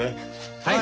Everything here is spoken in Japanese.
はい！